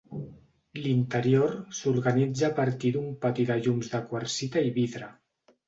L'interior s'organitza a partir d'un pati de llums de quarsita i vidre.